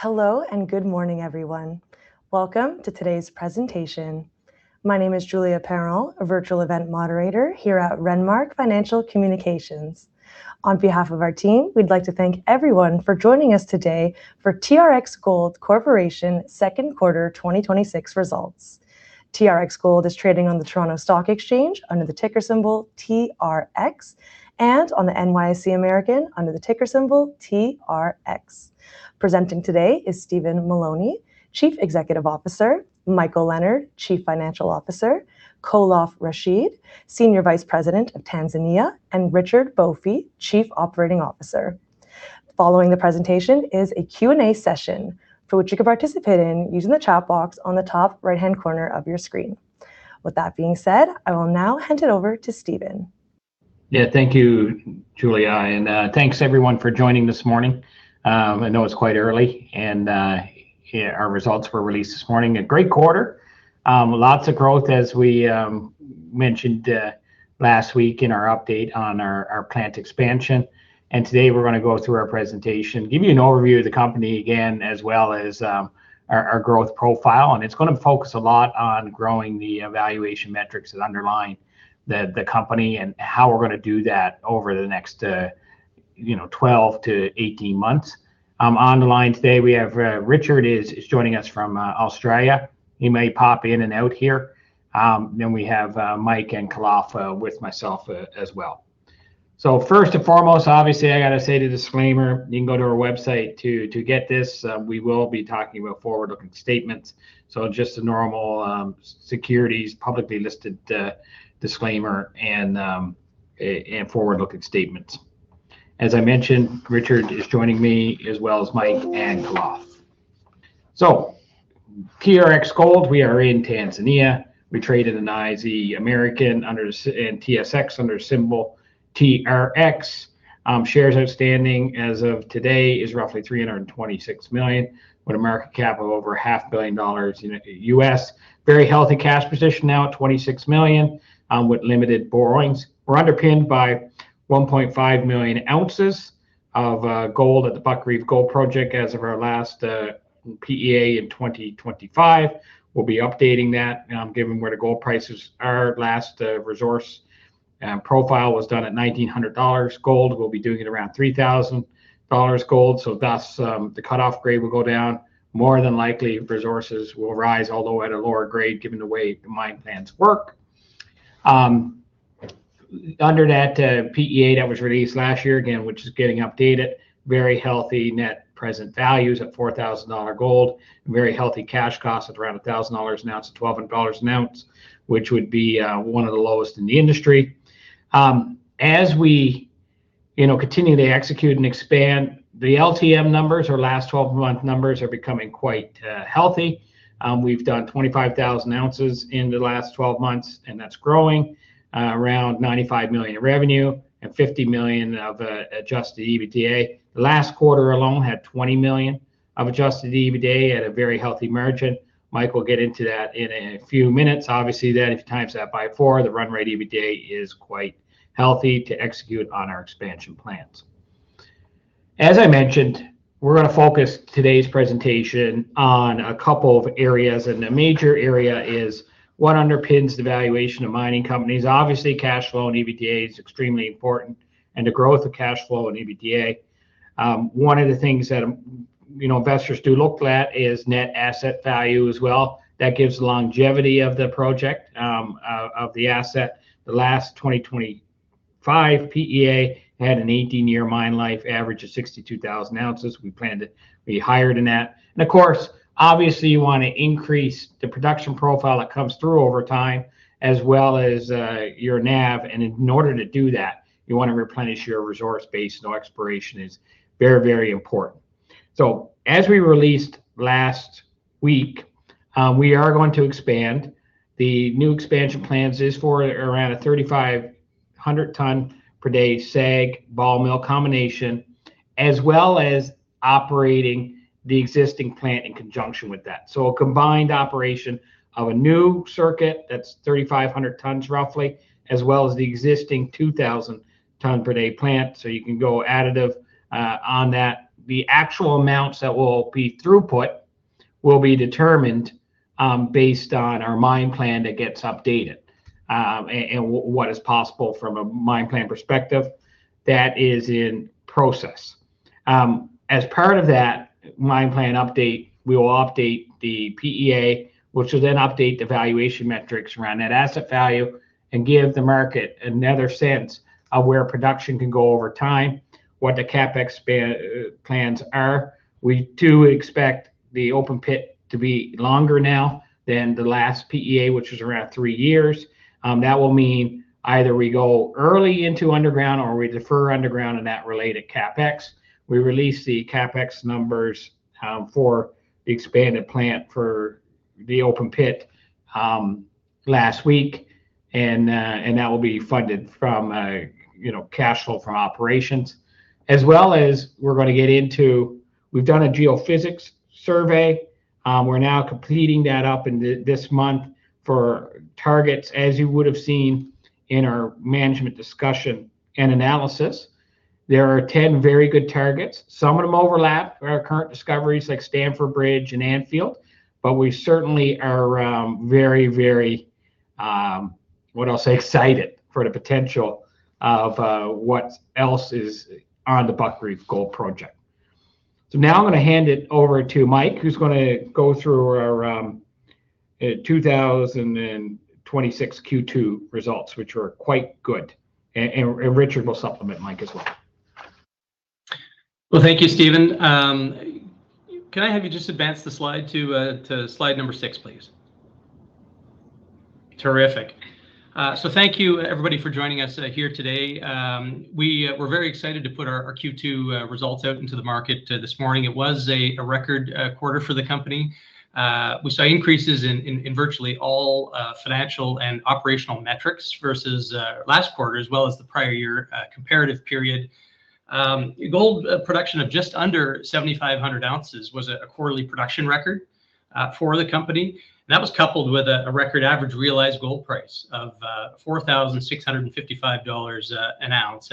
Hello and good morning, everyone. Welcome to today's presentation. My name is Julia Perron, a Virtual Event Moderator here at Renmark Financial Communications. On behalf of our team, we'd like to thank everyone for joining us today for TRX Gold Corporation second quarter 2026 results. TRX Gold is trading on the Toronto Stock Exchange under the ticker symbol TRX and on the NYSE American under the ticker symbol TRX. Presenting today is Stephen Mullowney, Chief Executive Officer, Michael Leonard, Chief Financial Officer, Khalaf Rashid, Senior Vice President of Tanzania, and Richard Boffey, Chief Operating Officer. Following the presentation is a Q&A session for which you can participate in using the chat box on the top right-hand corner of your screen. With that being said, I will now hand it over to Stephen. Yeah. Thank you, Julia, and thanks, everyone, for joining this morning. I know it's quite early, and our results were released this morning. A great quarter. Lots of growth as we mentioned last week in our update on our plant expansion. Today we're going to go through our presentation, give you an overview of the company again, as well as our growth profile. It's going to focus a lot on growing the evaluation metrics that underlie the company and how we're going to do that over the next 12-18 months. On the line today, we have Richard is joining us from Australia. He may pop in and out here. We have Mike and Khalaf with myself as well. First and foremost, obviously, I got to say the disclaimer. You can go to our website to get this. We will be talking about forward-looking statements, so just a normal securities publicly listed disclaimer and forward-looking statements. As I mentioned, Richard is joining me, as well as Mike and Khalaf. TRX Gold: We are in Tanzania. We trade in NYSE American and TSX under symbol TRX. Shares outstanding as of today is roughly 326 million, with a market cap of over a half billion dollars in U.S. Very healthy cash position now, $26 million, with limited borrowings. We're underpinned by 1.5 million ounces of gold at the Buckreef Gold Project as of our last PEA in 2025. We'll be updating that given where the gold prices are. Last resource profile was done at $1,900 gold. We'll be doing it around $3,000 gold. Thus, the cutoff grade will go down. More than likely, resources will rise, although at a lower grade, given the way the mine plans work. Under that PEA that was released last year, again, which is getting updated, very healthy net present values at $4,000 gold and very healthy cash costs at around $1,000 an ounce-$1,200 an ounce, which would be one of the lowest in the industry. As we continue to execute and expand, the LTM numbers, our last 12-month numbers, are becoming quite healthy. We've done 25,000 ounces in the last 12 months, and that's growing, around $95 million in revenue and $50 million of adjusted EBITDA. The last quarter alone had $20 million of adjusted EBITDA at a very healthy margin. Mike will get into that in a few minutes. Obviously, then, if you times that by four, the run rate EBITDA is quite healthy to execute on our expansion plans. As I mentioned, we're going to focus today's presentation on a couple of areas, and a major area is what underpins the valuation of mining companies. Obviously, cash flow and EBITDA is extremely important and the growth of cash flow and EBITDA. One of the things that investors do look at is Net Asset Value as well. That gives longevity of the project, of the asset. The last 2025 PEA had an 18-year mine life average of 62,000 ounces. We planned it to be higher than that. Of course, obviously you want to increase the production profile that comes through over time as well as your NAV. In order to do that, you want to replenish your resource base, and exploration is very important. As we released last week, we are going to expand. The new expansion plans is for around a 3,500-ton-per-day SAG ball mill combination, as well as operating the existing plant in conjunction with that. A combined operation of a new circuit that's 3,500 tons roughly, as well as the existing 2,000-ton-per-day plant. You can go additive on that. The actual amounts that will be throughput will be determined based on our mine plan that gets updated and what is possible from a mine plan perspective. That is in process. As part of that mine plan update, we will update the PEA, which will then update the valuation metrics around net asset value and give the market another sense of where production can go over time, what the CapEx plans are. We do expect the open pit to be longer now than the last PEA, which was around three years. That will mean either we go early into underground or we defer underground and that related CapEx. We released the CapEx numbers for the expanded plant for the open pit last week, and that will be funded from cash flow from operations. We've done a geophysics survey. We're now completing that up in this month for targets. As you would've seen in our Management Discussion and Analysis, there are 10 very good targets. Some of them overlap our current discoveries like Stamford Bridge and Anfield, but we certainly are very, what I'll say, excited for the potential of what else is on the Buckreef Gold Project. Now I'm going to hand it over to Mike, who's going to go through our 2026 Q2 results, which were quite good. Richard will supplement Mike as well. Well, thank you, Stephen. Can I have you just advance the slide to slide number six, please? Terrific. Thank you everybody for joining us here today. We're very excited to put our Q2 results out into the market this morning. It was a record quarter for the company. We saw increases in virtually all financial and operational metrics versus last quarter as well as the prior year comparative period. Gold production of just under 7,500 ounces was a quarterly production record for the company. That was coupled with a record average realized gold price of $4,655 an ounce.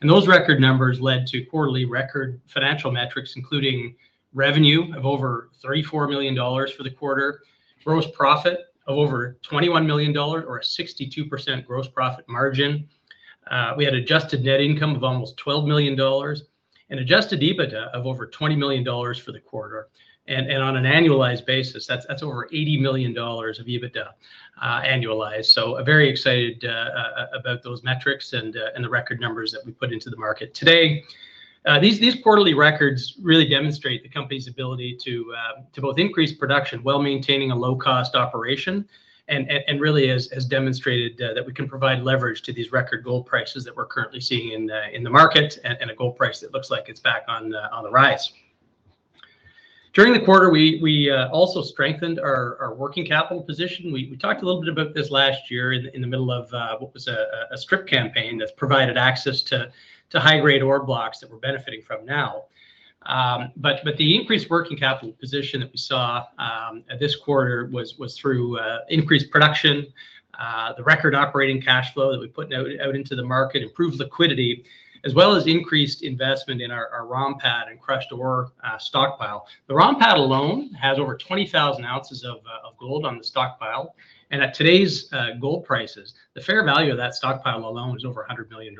Those record numbers led to quarterly record financial metrics, including revenue of over $34 million for the quarter, gross profit of over $21 million, or a 62% gross profit margin. We had adjusted net income of almost $12 million and adjusted EBITDA of over $20 million for the quarter. On an annualized basis, that's over $80 million of EBITDA, annualized. Very excited about those metrics and the record numbers that we put into the market today. These quarterly records really demonstrate the company's ability to both increase production while maintaining a low-cost operation and really has demonstrated that we can provide leverage to these record gold prices that we're currently seeing in the market and a gold price that looks like it's back on the rise. During the quarter, we also strengthened our working capital position. We talked a little bit about this last year in the middle of what was a strip campaign that's provided access to high-grade ore blocks that we're benefiting from now. The increased working capital position that we saw this quarter was through increased production; the record operating cash flow that we put out into the market; improved liquidity; as well as increased investment in our ROM pad and crushed ore stockpile. The ROM pad alone has over 20,000 ounces of gold on the stockpile. At today's gold prices, the fair value of that stockpile alone is over $100 million,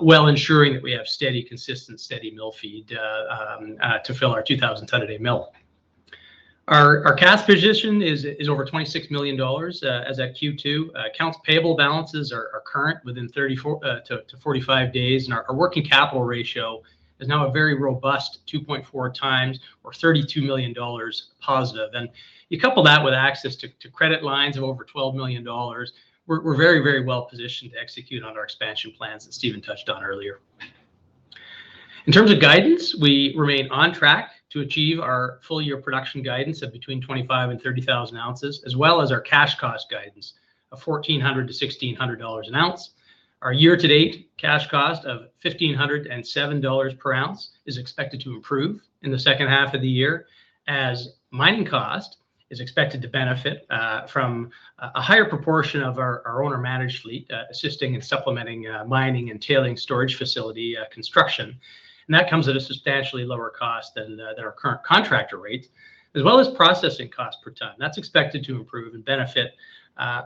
while ensuring that we have steady, consistent, steady mill feed to fill our 2,000-ton-a-day mill. Our cash position is over $26 million as at Q2. Accounts payable balances are current within 34 days-45 days, and our working capital ratio is now a very robust 2.4x or $32 million positive. You couple that with access to credit lines of over $12 million. We're very well-positioned to execute on our expansion plans that Stephen touched on earlier. In terms of guidance, we remain on track to achieve our full-year production guidance of between 25,000 and 30,000 ounces, as well as our cash cost guidance of $1,400-$1,600 an ounce. Our year-to-date cash cost of $1,507 per ounce is expected to improve in the second half of the year as mining cost is expected to benefit from a higher proportion of our owner-managed fleet, assisting and supplementing mining and tailing storage facility construction. That comes at a substantially lower cost than our current contractor rates, as well as processing cost per ton. That's expected to improve and benefit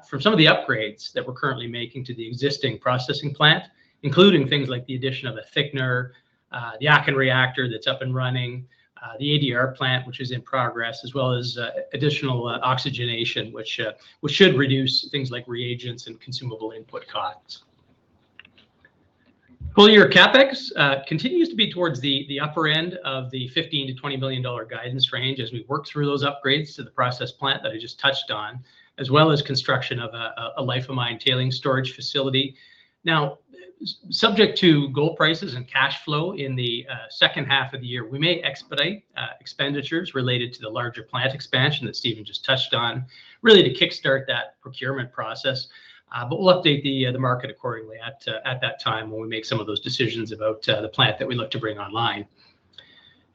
from some of the upgrades that we're currently making to the existing processing plant, including things like the addition of a thickener, the Aachen reactor that's up and running; the ADR plant, which is in progress; as well as additional oxygenation, which should reduce things like reagents and consumable input costs. Full-year CapEx continues to be towards the upper end of the $15 million-$20 million guidance range as we work through those upgrades to the process plant that I just touched on, as well as construction of a life of mine tailing storage facility. Now, subject to gold prices and cash flow in the second half of the year, we may expedite expenditures related to the larger plant expansion that Stephen just touched on, really to kickstart that procurement process. We'll update the market accordingly at that time when we make some of those decisions about the plant that we look to bring online.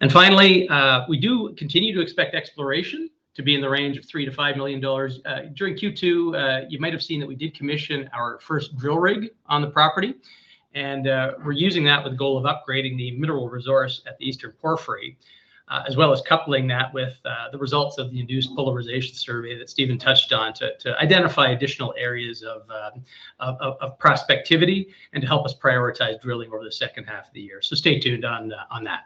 Finally, we do continue to expect exploration to be in the range of $3 million-$5 million. During Q2, you might have seen that we did commission our first drill rig on the property, and we're using that with the goal of upgrading the mineral resource at the Eastern Porphyry, as well as coupling that with the results of the induced polarization survey that Stephen touched on to identify additional areas of prospectivity and to help us prioritize drilling over the second half of the year. Stay tuned on that.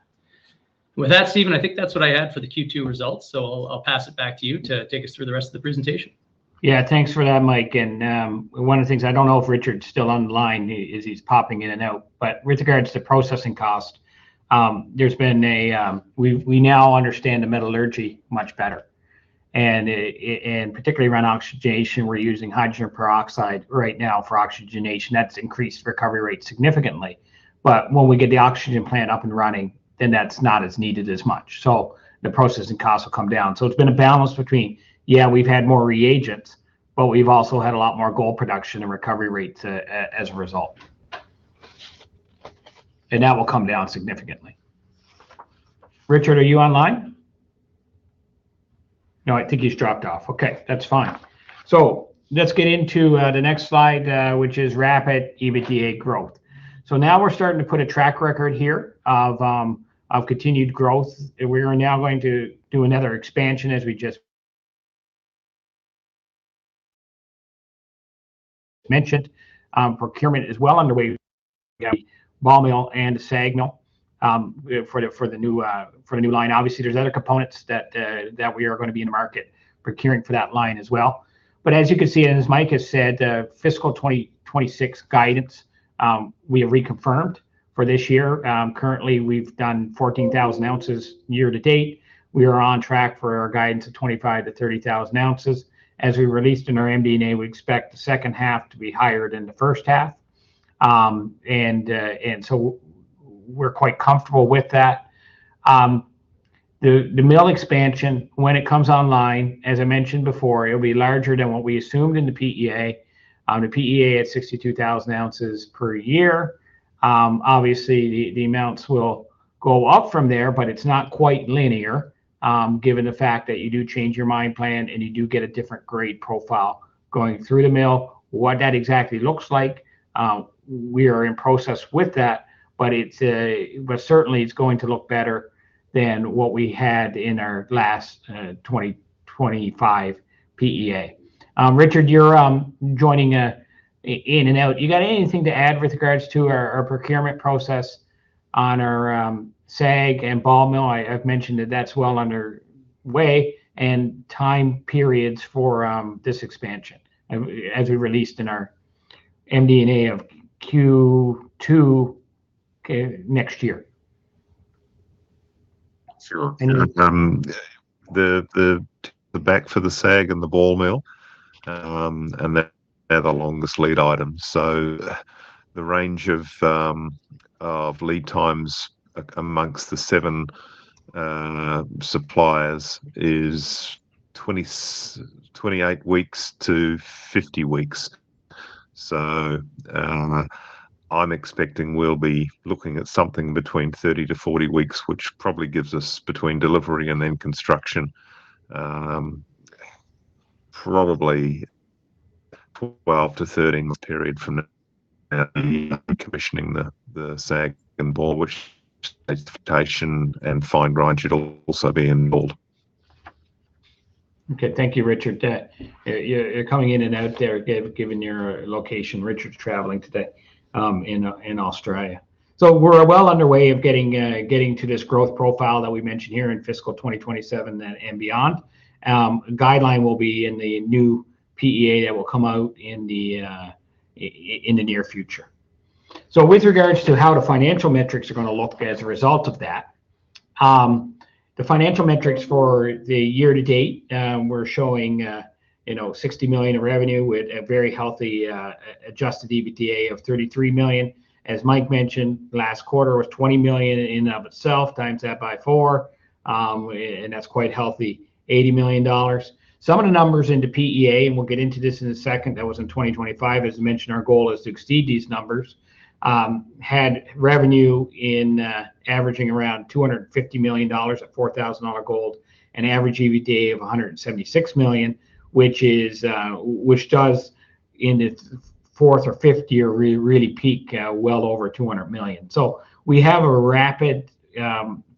With that, Stephen, I think that's what I had for the Q2 results. I'll pass it back to you to take us through the rest of the presentation. Yeah. Thanks for that, Mike. I don't know if Richard's still on the line; he's popping in and out, but with regards to processing cost, we now understand the metallurgy much better. Particularly around oxygenation, we're using hydrogen peroxide right now for oxygenation. That's increased recovery rates significantly. When we get the oxygen plant up and running, then that's not as needed as much. The processing costs will come down. It's been a balance between, yeah, we've had more reagents, but we've also had a lot more gold production and recovery rates as a result. That will come down significantly. Richard, are you online? No, I think he's dropped off. Okay, that's fine. Let's get into the next slide, which is rapid EBITDA growth. Now we're starting to put a track record here of continued growth. We are now going to do another expansion, as we just mentioned. Procurement is well underway with the ball mill and the SAG mill for the new line. Obviously, there's other components that we are going to be in the market procuring for that line as well. As you can see, and as Mike has said, fiscal 2026 guidance we have reconfirmed for this year. Currently, we've done 14,000 ounces year-to-date. We are on track for our guidance of 25,000 ounces-30,000 ounces. As we released in our MD&A, we expect the second half to be higher than the first half. We're quite comfortable with that. The mill expansion, when it comes online, as I mentioned before, it'll be larger than what we assumed in the PEA, at 62,000 ounces per year. Obviously, the amounts will go up from there, but it's not quite linear, given the fact that you do change your mine plan and you do get a different grade profile going through the mill. What that exactly looks like, we are in process with that, but certainly it's going to look better than what we had in our last 2025 PEA. Richard, you're joining in and out. You got anything to add with regards to our procurement process on our SAG and ball mill? I've mentioned that that's well underway and time periods for this expansion, as we released in our MD&A of Q2 next year. Sure. Anything- The bids for the SAG and the ball mill, and they're the longest lead items. The range of lead times amongst the seven suppliers is 28 weeks-50 weeks. I'm expecting we'll be looking at something between 30-40 weeks, which probably gives us between delivery and then construction, probably 12-13 week period from the commissioning the SAG and ball, which agitation and fine grind should also be involved. Okay. Thank you, Richard. You're coming in and out there, given your location. Richard's traveling today in Australia. So we're well underway of getting to this growth profile that we mentioned here in fiscal 2027 and beyond. Guideline will be in the new PEA that will come out in the near future. So with regards to how the financial metrics are going to look as a result of that, the financial metrics for the year to date, we're showing $60 million in revenue with a very healthy adjusted EBITDA of $33 million. As Mike mentioned, last quarter was $20 million in and of itself; times that by four, and that's quite healthy, $80 million. Some of the numbers in the PEA, and we'll get into this in a second, that was in 2025. As mentioned, our goal is to exceed these numbers. Had revenue averaging around $250 million at $4,000 gold, an average EBITDA of $176 million, which does, in its fourth or fifth year, really peak well over $200 million. We have a rapid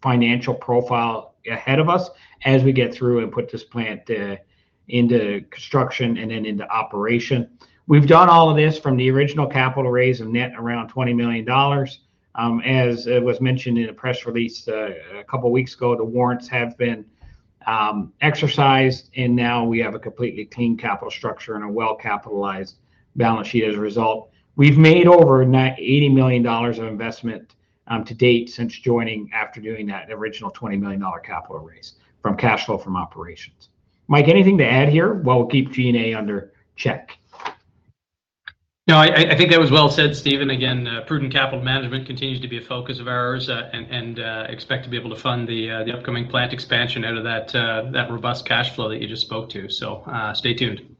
financial profile ahead of us as we get through and put this plant into construction and then into operation. We've done all of this from the original capital raise of net around $20 million. As was mentioned in a press release a couple of weeks ago, the warrants have been exercised, and now we have a completely clean capital structure and a well-capitalized balance sheet as a result. We've made over $80 million of investment to date since joining after doing that original $20 million capital raise from cash flow from operations. Mike, anything to add here while we keep G&A under check? No, I think that was well said, Stephen. Again, prudent capital management continues to be a focus of ours, and expect to be able to fund the upcoming plant expansion out of that robust cash flow that you just spoke to. Stay tuned.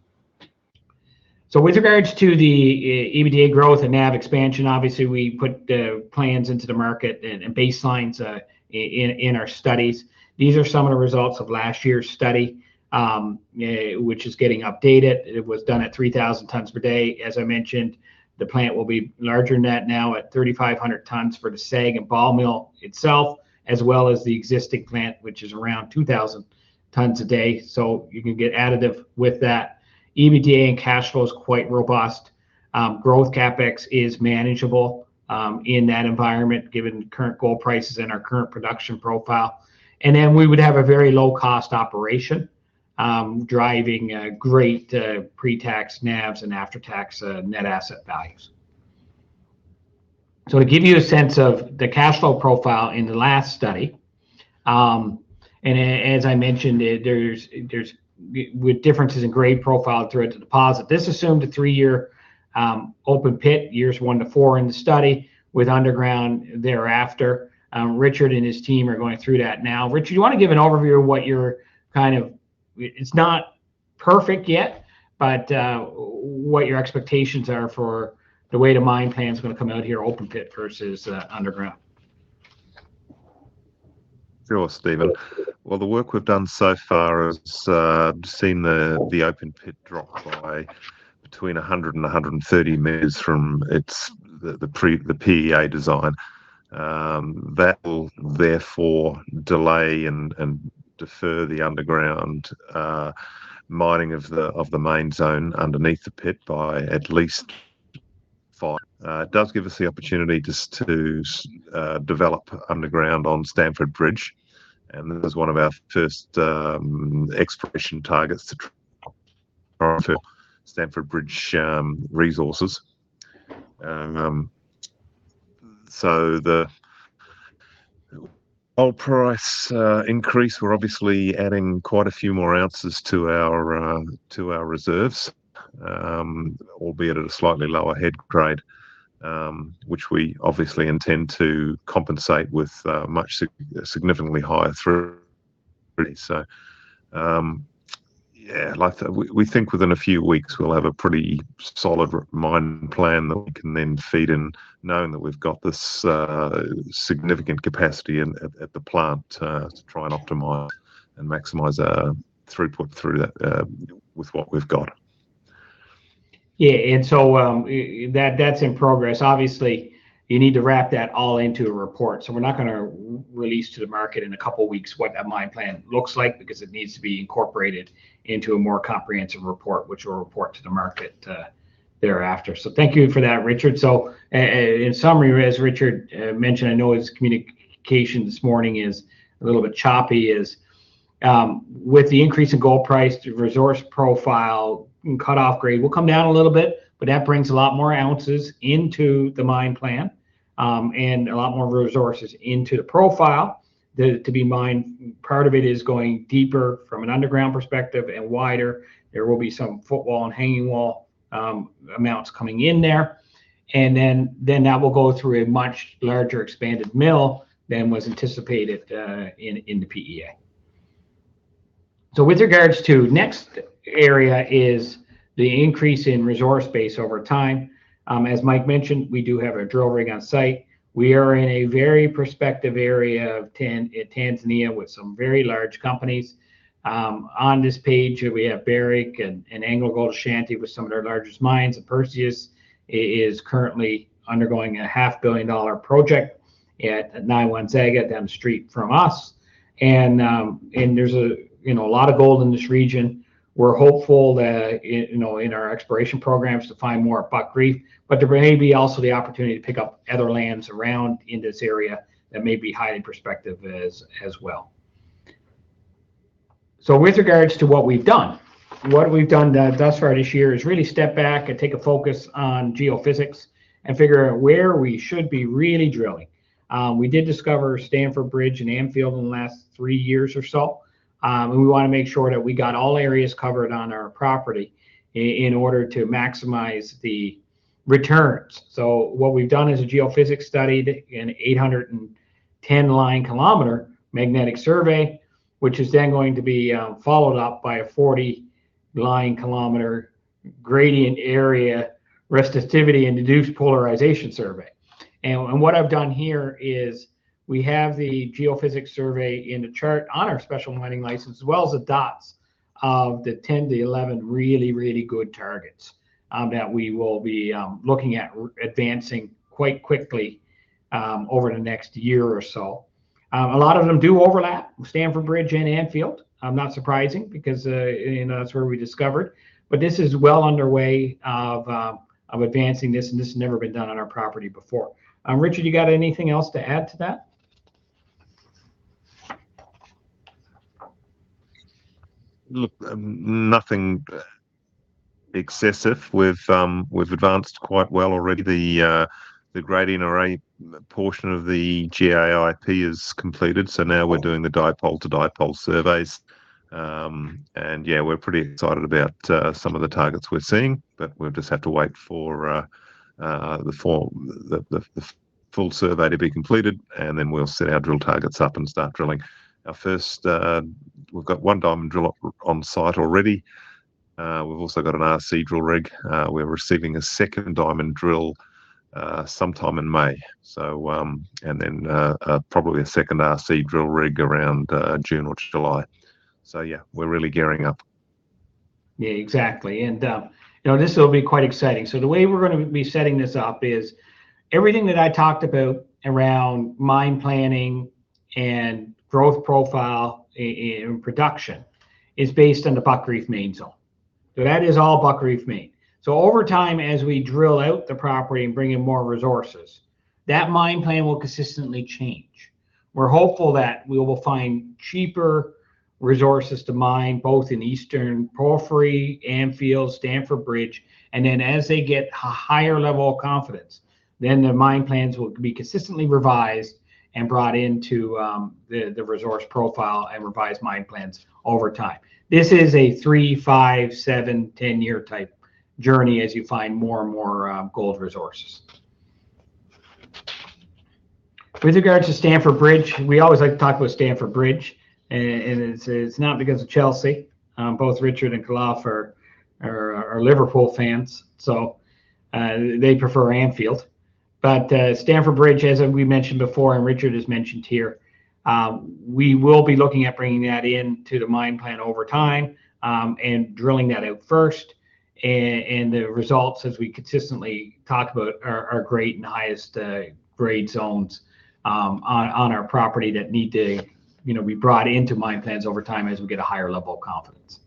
With regards to the EBITDA growth and NAV expansion, obviously, we put the plans into the market and baselines in our studies. These are some of the results of last year's study, which is getting updated. It was done at 3,000 tons per day. As I mentioned, the plant will be larger than that now at 3,500 tons for the SAG and ball mill itself, as well as the existing plant, which is around 2,000 tons a day. You can get additive with that. EBITDA and cash flow is quite robust. Growth CapEx is manageable in that environment, given current gold prices and our current production profile. We would have a very low-cost operation, driving great pre-tax NAVs and after-tax net asset values. To give you a sense of the cash flow profile in the last study, and as I mentioned, with differences in grade profile through the deposit, this assumed a three-year open pit, years 1-4 in the study, with underground thereafter. Richard and his team are going through that now. Richard, you want to give an overview of, it's not perfect yet, but what your expectations are for the way the mine plan's going to come out here, open pit versus underground? Sure, Stephen. Well, the work we've done so far has seen the open pit drop by between 100 and 130 meters from the PEA design. That will therefore delay and defer the underground mining of the main zone underneath the pit by at least five. It does give us the opportunity just to develop underground on Stamford Bridge, and this is one of our first exploration targets to try for Stamford Bridge resources. The gold price increase we're obviously adding quite a few more ounces to our reserves, albeit at a slightly lower head grade, which we obviously intend to compensate with significantly higher throughput rates. Yeah, we think within a few weeks, we'll have a pretty solid mine plan that we can then feed in knowing that we've got this significant capacity at the plant to try and optimize and maximize our throughput through that with what we've got. Yeah. That's in progress. Obviously, you need to wrap that all into a report. We're not going to release to the market in a couple of weeks what that mine plan looks like because it needs to be incorporated into a more comprehensive report, which we'll report to the market thereafter. Thank you for that, Richard. In summary, as Richard mentioned, I know his communication this morning is a little bit choppy; with the increase in gold price, the resource profile and cut-off grade will come down a little bit, but that brings a lot more ounces into the mine plan and a lot more resources into the profile. To be mined, part of it is going deeper from an underground perspective and wider. There will be some footwall and hanging wall amounts coming in there. That will go through a much larger expanded mill than was anticipated in the PEA. With regards to next area is the increase in resource base over time. As Mike mentioned, we do have a drill rig on site. We are in a very prospective area of Tanzania with some very large companies. On this page, we have Barrick and AngloGold Ashanti with some of their largest mines, and Perseus is currently undergoing a half-billion-dollar project at Nyanzaga down the street from us. There's a lot of gold in this region. We're hopeful that in our exploration programs to find more at Buckreef. There may be also the opportunity to pick up other lands around in this area that may be highly prospective as well. With regards to what we've done. What we've done thus far this year is really step back and take a focus on geophysics and figure out where we should be really drilling. We did discover Stamford Bridge and Anfield in the last three years or so. We want to make sure that we got all areas covered on our property in order to maximize the returns. What we've done is a geophysics study, an 810-line km magnetic survey, which is then going to be followed up by a 40-line km gradient array resistivity and induced polarization survey. What I've done here is we have the geophysics survey in the chart on our Special Mining Licence, as well as the dots of the 10-11 really good targets that we will be looking at advancing quite quickly over the next year or so. A lot of them do overlap with Stamford Bridge and Anfield, not surprising because that's where we discovered. This is well underway of advancing this, and this has never been done on our property before. Richard, you got anything else to add to that? Look, nothing excessive. We've advanced quite well already. The gradient array portion of the GAIP is completed. Now we're doing the dipole-dipole surveys. Yeah, we're pretty excited about some of the targets we're seeing. We'll just have to wait for the full survey to be completed, and then we'll set our drill targets up and start drilling. We've got one diamond drill on site already. We've also got an RC drill rig. We're receiving a second diamond drill sometime in May. Probably a second RC drill rig around June or July. Yeah, we're really gearing up. Yeah, exactly. This will be quite exciting. The way we're going to be setting this up is everything that I talked about around mine planning and growth profile in production is based on the Buckreef Main Zone. That is all Buckreef Main. Over time, as we drill out the property and bring in more resources, that mine plan will consistently change. We're hopeful that we will find cheaper resources to mine, both in Eastern Porphyry, Anfield, Stamford Bridge, and then as they get a higher level of confidence, then the mine plans will be consistently revised and brought into the resource profile and revised mine plans over time. This is a three-, five-, seven- 10-year type journey as you find more and more gold resources. With regards to Stamford Bridge, we always like to talk about Stamford Bridge, and it's not because of Chelsea. Both Richard and Khalaf are Liverpool fans, so they prefer Anfield. Stamford Bridge, as we mentioned before and Richard has mentioned here, we will be looking at bringing that into the mine plan over time and drilling that out first. The results, as we consistently talk about, are great and highest grade zones on our property that need to be brought into mine plans over time as we get a higher level of confidence.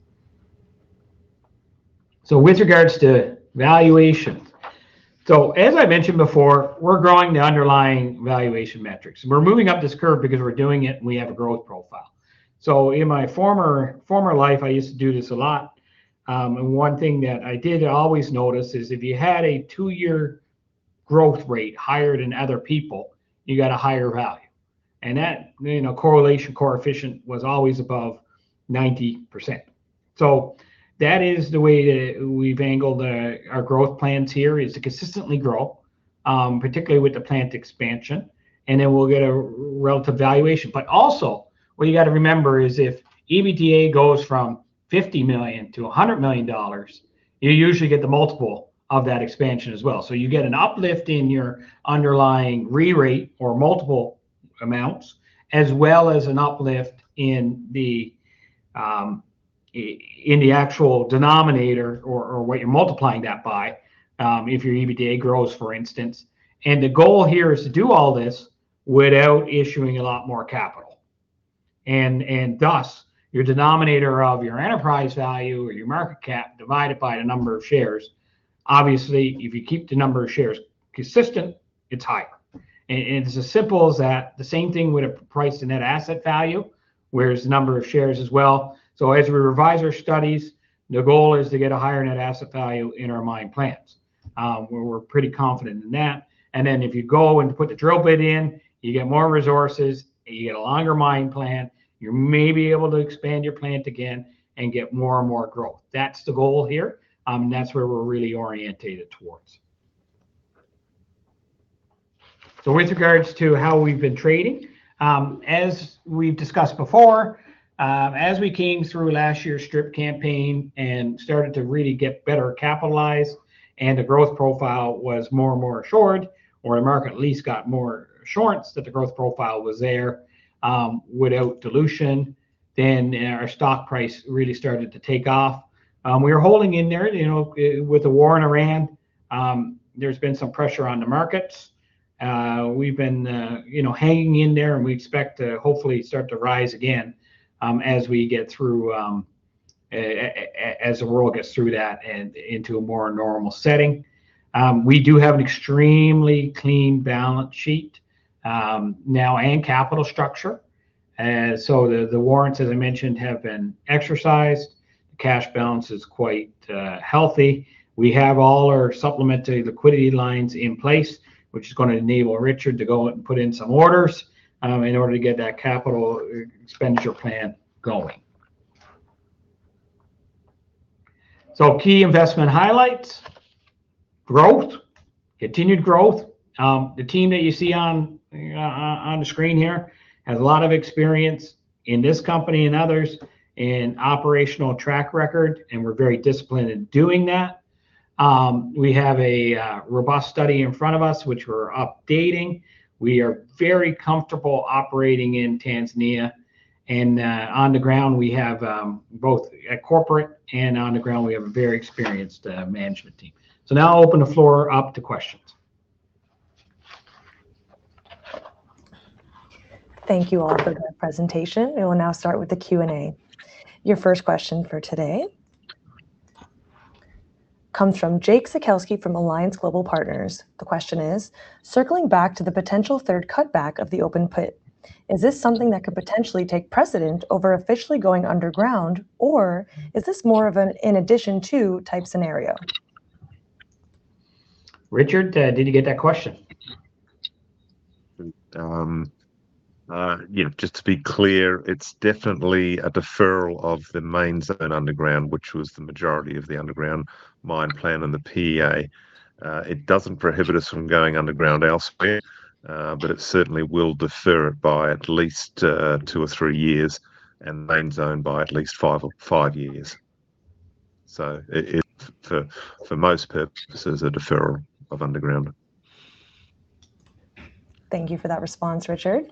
With regards to valuation, as I mentioned before, we're growing the underlying valuation metrics, and we're moving up this curve because we're doing it and we have a growth profile. In my former life, I used to do this a lot, and one thing that I did always notice is if you had a two-year growth rate higher than other people, you got a higher value. That correlation coefficient was always above 90%. That is the way that we've angled our growth plans here to consistently grow, particularly with the plant expansion, and then we'll get a relative valuation. Also, what you got to remember is if EBITDA goes from $50 million-$100 million, you usually get the multiple of that expansion as well. You get an uplift in your underlying re-rate or multiple amounts, as well as an uplift in the actual denominator or what you're multiplying that by, if your EBITDA grows, for instance. The goal here is to do all this without issuing a lot more capital. Thus, your denominator of your enterprise value or your market cap divided by the number of shares. Obviously, if you keep the number of shares consistent, it's higher. It's as simple as that. The same thing with a price to net asset value, where it's the number of shares as well. As we revise our studies, the goal is to get a higher Net Asset Value in our mine plans. We're pretty confident in that. If you go and put the drill bit in, you get more resources, and you get a longer mine plan. You're maybe able to expand your plant again and get more and more growth. That's the goal here, and that's where we're really orientated towards. With regards to how we've been trading, as we've discussed before, as we came through last year's strip campaign and started to really get better capitalized and the growth profile was more and more assured or the market at least got more assurance that the growth profile was there without dilution, then our stock price really started to take off. We are holding in there. With the war in Iran, there's been some pressure on the markets. We've been hanging in there, and we expect to hopefully start to rise again as the world gets through that and into a more normal setting. We do have an extremely clean balance sheet now and capital structure. The warrants, as I mentioned, have been exercised. The cash balance is quite healthy. We have all our supplementary liquidity lines in place, which is going to enable Richard to go and put in some orders in order to get that capital expenditure plan going. Key investment highlights. Growth, continued growth. The team that you see on the screen here has a lot of experience in this company and others in operational track record, and we're very disciplined in doing that. We have a robust study in front of us, which we're updating. We are very comfortable operating in Tanzania. Both at corporate and on the ground, we have a very experienced management team. Now I'll open the floor up to questions. Thank you all for the presentation. We will now start with the Q&A. Your first question for today comes from Jake Sekelsky from Alliance Global Partners. The question is, "Circling back to the potential third cutback of the open pit, is this something that could potentially take precedence over officially going underground? Is this more of an "in addition to" type scenario?" Richard, did you get that question? Just to be clear, it's definitely a deferral of the Main Zone underground, which was the majority of the underground mine plan and the PEA. It doesn't prohibit us from going underground elsewhere, but it certainly will defer it by at least two or three years and the Main Zone by at least five years. It's, for most purposes, a deferral of underground. Thank you for that response, Richard.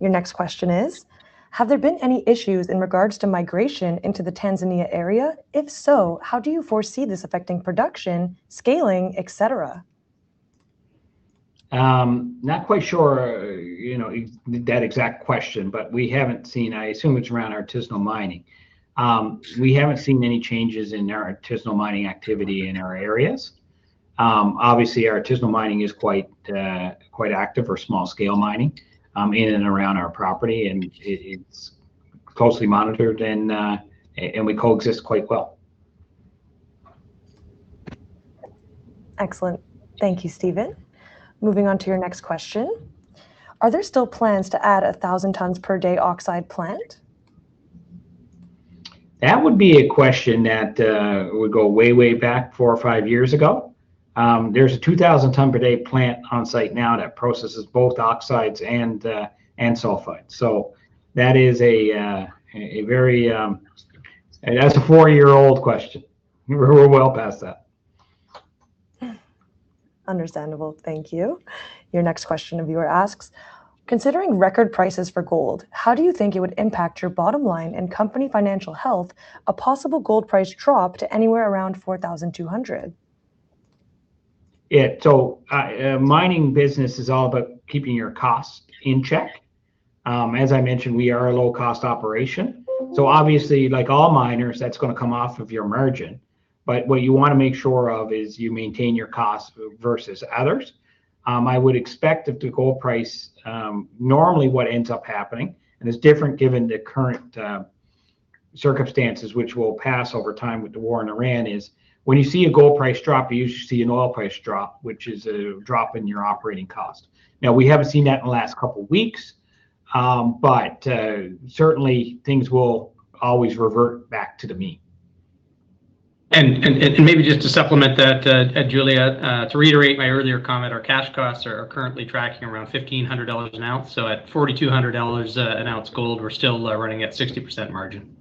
Your next question is, have there been any issues in regards to migration into the Tanzania area? If so, how do you foresee this affecting production, scaling, et cetera? Not quite sure that exact question, but I assume it's around artisanal mining. We haven't seen any changes in our artisanal mining activity in our areas. Obviously, our artisanal mining is quite active or small-scale mining in and around our property, and it's closely monitored, and we coexist quite well. Excellent. Thank you, Stephen. Moving on to your next question. Are there still plans to add 1,000-ton-per-day oxide plant? That would be a question that would go way back four or five years ago. There's a 2,000-tonne-per-day plant on-site now that processes both oxides and sulfides. That's a four-year-old question. We're well past that. Understandable. Thank you. Your next question, viewer, asks, considering record prices for gold, how do you think it would impact your bottom line and company financial health, a possible gold price drop to anywhere around $4,200? Yeah. Mining business is all about keeping your costs in check. As I mentioned, we are a low-cost operation. Obviously, like all miners, that's going to come off of your margin, but what you want to make sure of is you maintain your costs versus others. Normally what ends up happening, and it's different given the current circumstances, which will pass over time with the war in Iran, is when you see a gold price drop, you usually see an oil price drop, which is a drop in your operating cost. Now, we haven't seen that in the last couple of weeks, but certainly things will always revert back to the mean. Maybe just to supplement that, Julia, to reiterate my earlier comment, our cash costs are currently tracking around $1,500 an ounce. At $4,200 an ounce gold, we're still running at 60% margin.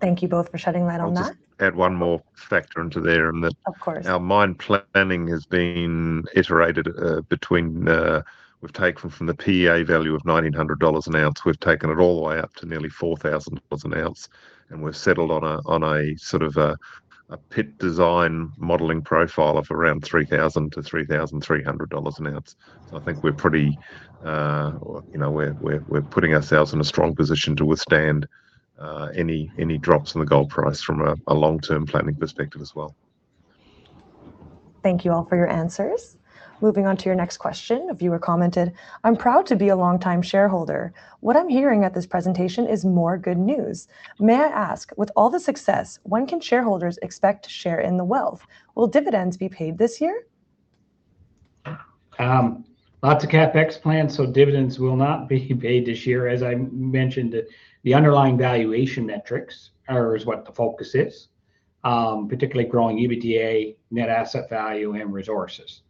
Thank you both for shedding light on that. I'll just add one more factor into there. Of course. Our mine planning has been iterated. We've taken from the PEA value of $1,900 an ounce. We've taken it all the way up to nearly $4,000 an ounce, and we've settled on a sort of a pit design modeling profile of around $3,000-$3,300 an ounce. I think we're putting ourselves in a strong position to withstand any drops in the gold price from a long-term planning perspective as well. Thank you all for your answers. Moving on to your next question. A viewer commented, "I'm proud to be a longtime shareholder. What I'm hearing at this presentation is more good news. May I ask, with all the success, when can shareholders expect to share in the wealth? Will dividends be paid this year?" Lots of CapEx plans, so dividends will not be paid this year. As I mentioned, the underlying valuation metrics is what the focus is, particularly growing EBITDA, net asset value, and resources.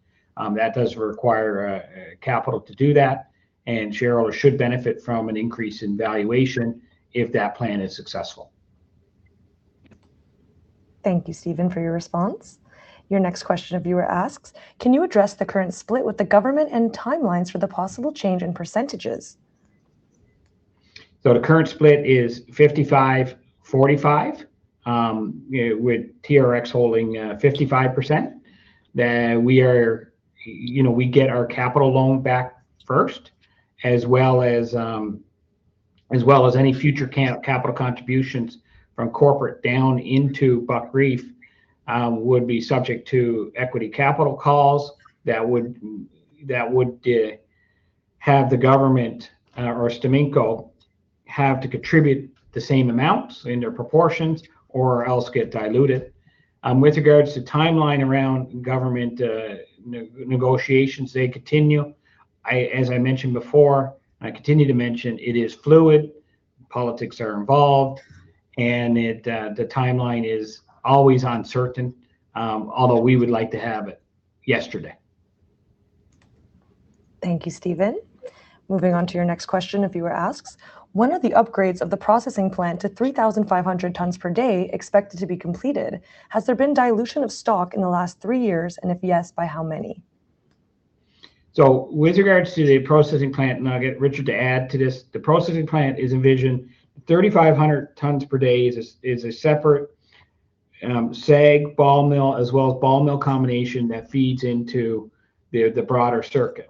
That does require capital to do that and shareholders should benefit from an increase in valuation if that plan is successful. Thank you, Stephen, for your response. Your next question, viewer, asks, "Can you address the current split with the government and timelines for the possible change in percentages?" The current split is 55/45, with TRX holding 55%. We get our capital loan back first, as well as any future capital contributions from corporate down into Buckreef would be subject to equity capital calls that would have the government or STAMICO have to contribute the same amounts in their proportions or else get diluted. With regards to timeline around government negotiations, they continue. As I mentioned before, I continue to mention it is fluid, politics are involved, and the timeline is always uncertain, although we would like to have it yesterday. Thank you, Stephen. Moving on to your next question. A viewer asks, "when are the upgrades of the processing plant to 3,500 tons per day expected to be completed? Has there been dilution of stock in the last three years, and if yes, by how many?" With regards to the processing plant, and I'll get Richard to add to this, the processing plant is envisioned 3,500 tonnes per day is a separate SAG ball mill as well as ball mill combination that feeds into the broader circuit.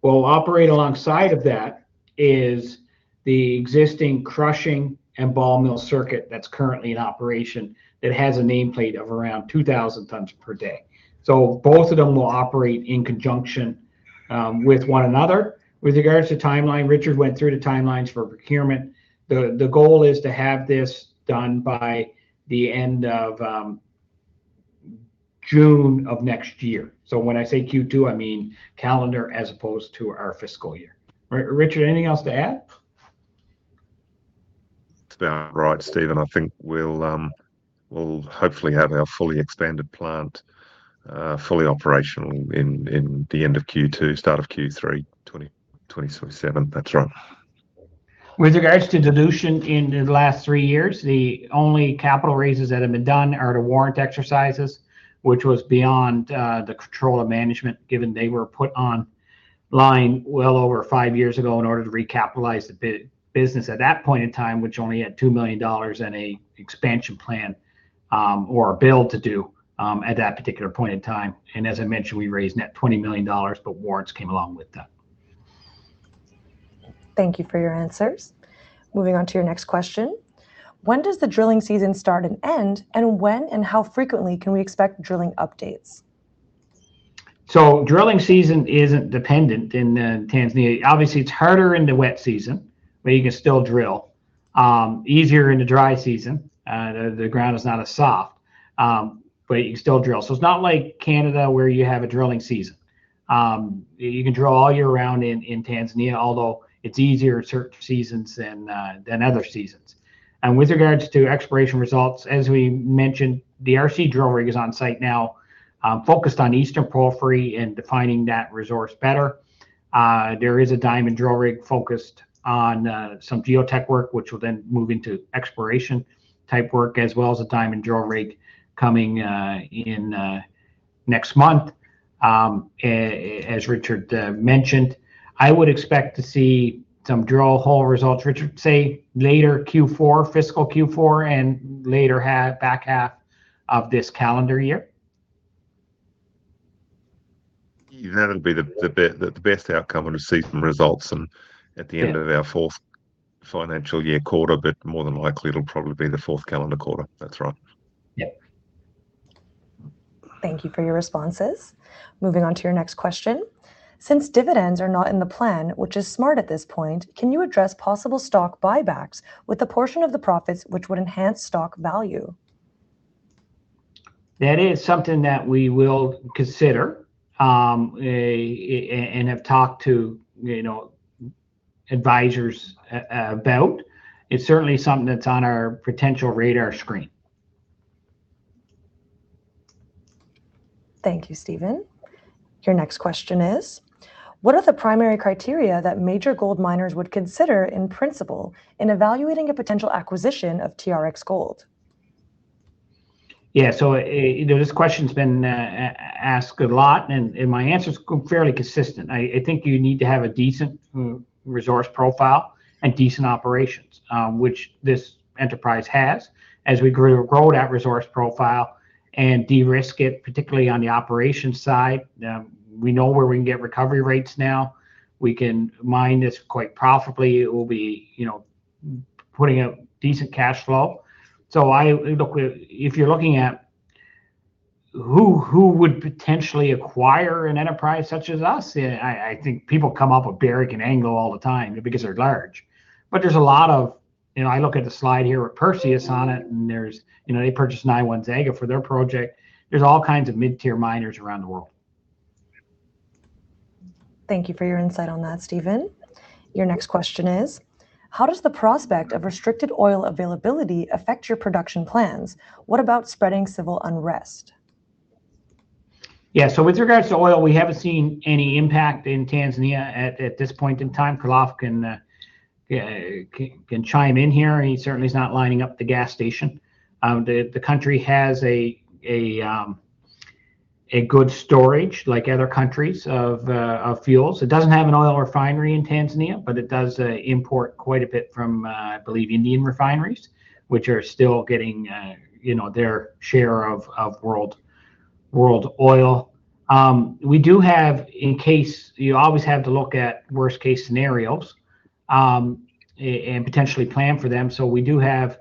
What will operate alongside of that is the existing crushing and ball mill circuit that's currently in operation that has a nameplate of around 2,000 tonnes per day. Both of them will operate in conjunction with one another. With regards to timeline, Richard went through the timelines for procurement. The goal is to have this done by the end of June of next year. When I say Q2, I mean calendar as opposed to our fiscal year. Richard, anything else to add? That's about right, Stephen. I think we'll hopefully have our fully expanded plant fully operational in the end of Q2, start of Q3 2027. That's right. With regards to dilution in the last three years, the only capital raises that have been done are the warrant exercises, which was beyond the control of management, given they were put online well over five years ago in order to recapitalize the business at that point in time, which only had $2 million and an expansion plan or a build to do at that particular point in time. As I mentioned, we raised net $20 million, but warrants came along with that. Thank you for your answers. Moving on to your next question, when does the drilling season start and end, and when and how frequently can we expect drilling updates? Drilling season isn't dependent in Tanzania. Obviously, it's harder in the wet season, but you can still drill. Easier in the dry season. The ground is not as soft. You can still drill. It's not like Canada where you have a drilling season. You can drill all year round in Tanzania, although it's easier certain seasons than other seasons. With regards to exploration results, as we mentioned, the RC drill rig is on site now, focused on Eastern Porphyry and defining that resource better. There is a diamond drill rig focused on some geotech work, which will then move into exploration-type work, as well as a diamond drill rig coming in next month, as Richard mentioned. I would expect to see some drill hole results, Richard, say later fiscal Q4 and later back half of this calendar year. That'll be the best outcome when we see some results and at the end of our fourth financial year quarter, but more than likely it'll probably be the fourth calendar quarter. That's right. Yep. Thank you for your responses. Moving on to your next question. Since dividends are not in the plan, which is smart at this point, can you address possible stock buybacks with a portion of the profits, which would enhance stock value? That is something that we will consider and have talked to advisors about. It's certainly something that's on our potential radar screen. Thank you, Stephen. Your next question is, "what are the primary criteria that major gold miners would consider in principle in evaluating a potential acquisition of TRX Gold?" Yeah. This question's been asked a lot, and my answer's fairly consistent. I think you need to have a decent resource profile and decent operations, which this enterprise has. As we grow that resource profile and de-risk it, particularly on the operations side, we know where we can get recovery rates now. We can mine this quite profitably. It will be putting out decent cash flow. If you're looking at who would potentially acquire an enterprise such as us, I think people come up with Barrick and Anglo all the time because they're large. I look at the slide here with Perseus on it, and they purchased Nyanzaga for their project. There's all kinds of mid-tier miners around the world. Thank you for your insight on that, Stephen. Your next question is, "how does the prospect of restricted oil availability affect your production plans? What about spreading civil unrest?" Yeah. With regards to oil, we haven't seen any impact in Tanzania at this point in time. Khalaf Rashid can chime in here. He certainly is not lining up at the gas station. The country has a good storage, like other countries, of fuels. It doesn't have an oil refinery in Tanzania, but it does import quite a bit from, I believe, Indian refineries, which are still getting their share of world oil. You always have to look at worst-case scenarios and potentially plan for them. We do have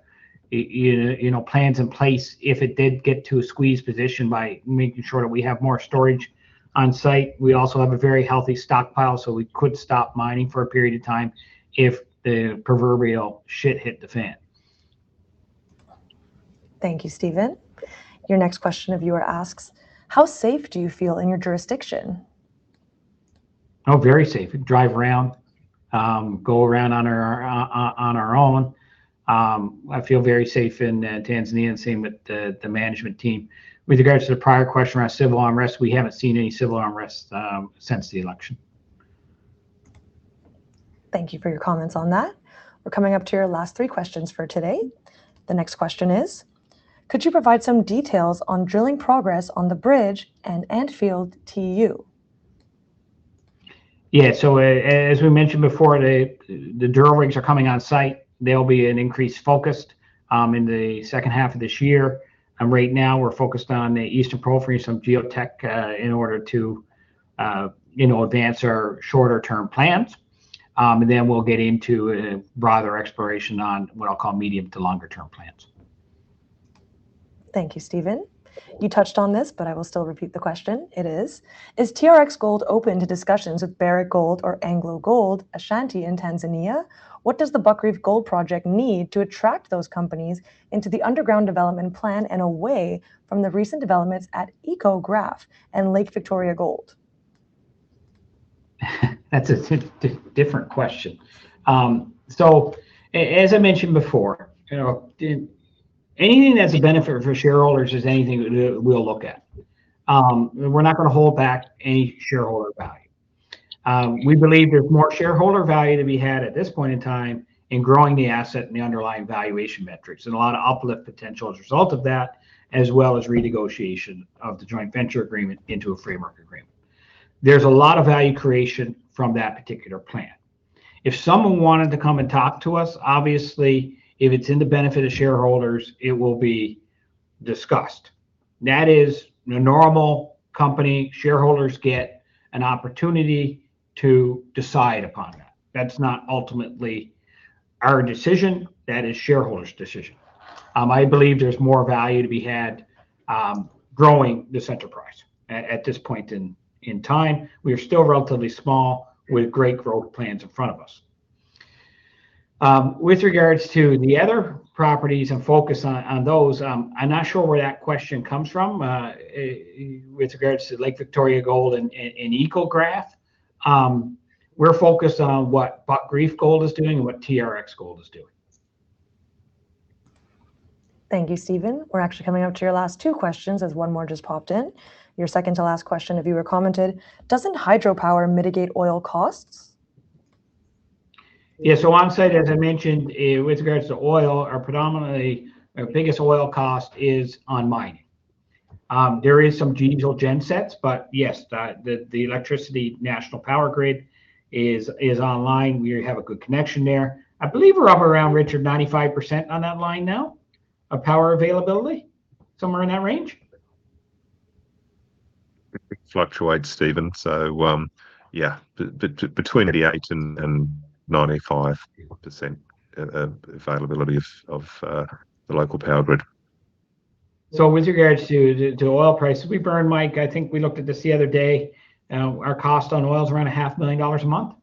plans in place if it did get to a squeeze position by making sure that we have more storage on-site. We also have a very healthy stockpile, so we could stop mining for a period of time if the proverbial hit the fan. Thank you, Stephen. Your next question, a viewer asks, "how safe do you feel in your jurisdiction?" Oh, very safe. We drive around, go around on our own. I feel very safe in Tanzania and same with the management team. With regards to the prior question around civil unrest, we haven't seen any civil unrest since the election. Thank you for your comments on that. We're coming up to your last three questions for today. The next question is, "could you provide some details on drilling progress on the Bridge and Anfield too?" Yeah. As we mentioned before, the drill rigs are coming on-site. There'll be an increase focused in the second half of this year. Right now we're focused on the Eastern Porphyry, some geotech in order to advance our shorter-term plans. We'll get into broader exploration on what I'll call medium to longer-term plans. Thank you, Stephen. You touched on this, but I will still repeat the question."Is TRX Gold open to discussions with Barrick Gold or AngloGold Ashanti in Tanzania? What does the Buckreef Gold Project need to attract those companies into the underground development plan and away from the recent developments at EcoGraf and Lake Victoria Gold?" That's a different question. As I mentioned before, anything that's a benefit for shareholders is anything that we'll look at. We're not going to hold back any shareholder value. We believe there's more shareholder value to be had at this point in time in growing the asset and the underlying valuation metrics, and a lot of uplift potential as a result of that, as well as renegotiation of the joint venture agreement into a framework agreement. There's a lot of value creation from that particular plan. If someone wanted to come and talk to us, obviously, if it's in the benefit of shareholders, it will be discussed. That is, the normal company shareholders get an opportunity to decide upon that. That's not ultimately our decision. That is shareholders' decision. I believe there's more value to be had growing this enterprise at this point in time. We are still relatively small with great growth plans in front of us. With regards to the other properties and focus on those, I'm not sure where that question comes from with regards to Lake Victoria Gold and EcoGraf. We're focused on what Buckreef Gold is doing and what TRX Gold is doing. Thank you, Stephen. We're actually coming up to your last two questions, as one more just popped in. Your second-to-last question, a viewer commented, "doesn't hydropower mitigate oil costs?" Yeah. Onsite, as I mentioned, with regards to oil, our biggest oil cost is on mining. There is some diesel gensets, but yes, the electricity national power grid is online. We have a good connection there. I believe we're up around, Richard, 95% on that line now of power availability, somewhere in that range?. It fluctuates, Stephen. Yeah, between 88% and 95% availability of the local power grid. With regards to oil prices, we burn, Mike. I think we looked at this the other day. Our cost on oil is around a half million dollars a month.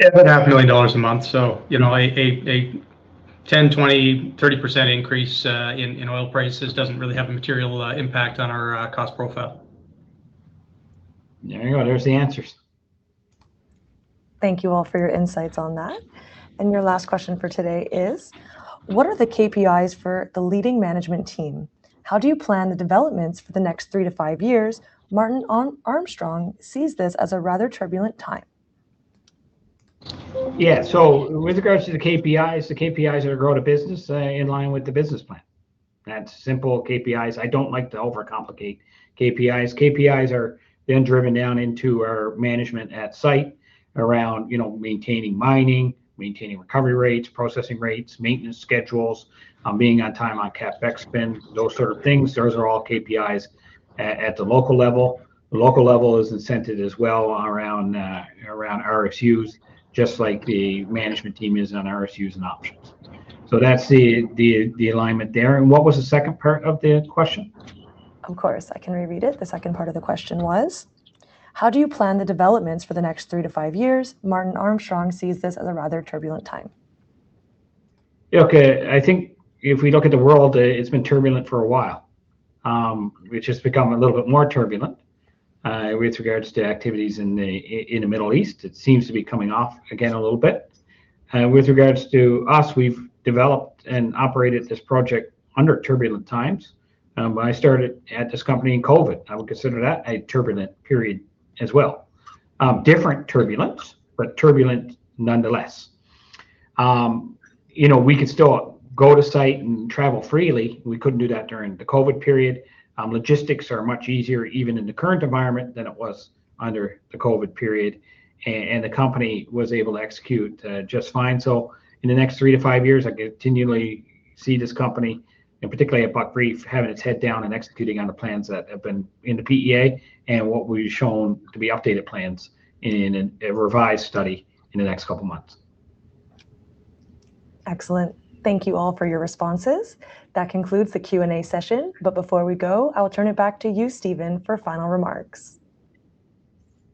Yeah, about half a million dollars a month. A 10%, 20%, 30% increase in oil prices doesn't really have a material impact on our cost profile. There you go. There's the answers. Thank you all for your insights on that. Your last question for today is, "What are the KPIs for the leading management team? How do you plan the developments for the next three-five years?" Martin Armstrong sees this as a rather turbulent time. Yeah. With regards to the KPIs, the KPIs are to grow the business in line with the business plan. That's simple KPIs. I don't like to overcomplicate KPIs. KPIs are then driven down into our management at site around maintaining mining, maintaining recovery rates, processing rates, maintenance schedules, being on time on CapEx spend, those sort of things. Those are all KPIs at the local level. The local level is incented as well around RSUs, just like the management team is on RSUs and options. That's the alignment there. What was the second part of the question? Of course. I can reread it. The second part of the question was, "how do you plan the developments for the next three to five years?" Martin Armstrong sees this as a rather turbulent time. Okay. I think if we look at the world, it's been turbulent for a while, which has become a little bit more turbulent with regards to activities in the Middle East. It seems to be coming off again a little bit. With regards to us, we've developed and operated this project under turbulent times. When I started at this company in COVID, I would consider that a turbulent period as well. Different turbulence, but turbulent nonetheless. We could still go to site and travel freely. We couldn't do that during the COVID period. Logistics are much easier even in the current environment than it was under the COVID period. The company was able to execute just fine. In the next three-five years, I continually see this company, and particularly at Buckreef, having its head down and executing on the plans that have been in the PEA and what we've shown to be updated plans in a revised study in the next couple of months. Excellent. Thank you all for your responses. That concludes the Q&A session. Before we go, I will turn it back to you, Stephen, for final remarks.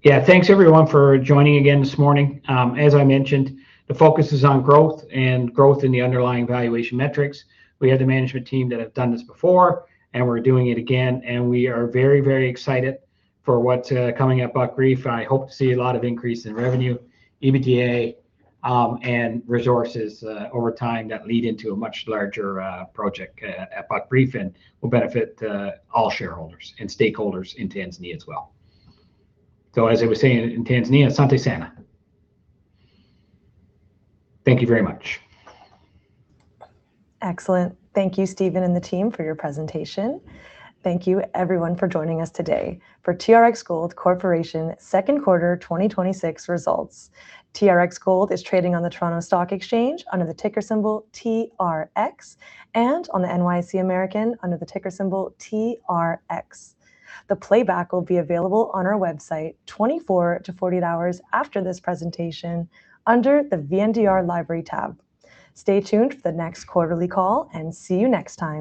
Yeah. Thanks everyone for joining again this morning. As I mentioned, the focus is on growth in the underlying valuation metrics. We have the management team that have done this before, and we're doing it again. We are very excited for what's coming at Buckreef. I hope to see a lot of increase in revenue, EBITDA, and resources over time that lead into a much larger project at Buckreef and will benefit all shareholders and stakeholders in Tanzania as well. As I was saying, in Tanzania, "asante sana." Thank you very much. Excellent. Thank you, Stephen and the team, for your presentation. Thank you everyone for joining us today for TRX Gold Corporation second quarter 2026 results. TRX Gold is trading on the Toronto Stock Exchange under the ticker symbol TRX and on the NYSE American under the ticker symbol TRX. The playback will be available on our website 24 hours-48 hours after this presentation under the VNDR Library tab. Stay tuned for the next quarterly call and see you next time.